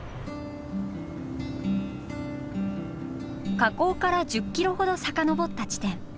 河口から１０キロほど遡った地点。